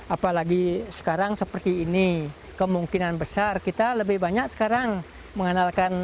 apalagi sekarang seperti ini kemungkinan besar kita lebih banyak sekarang mengenalkan